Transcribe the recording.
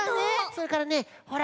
それからねほら